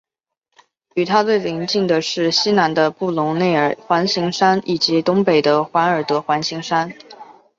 与它最邻近的是西南的布隆内尔环形山以及东北的怀尔德环形山。